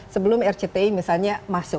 sebelum rcti misalnya masuk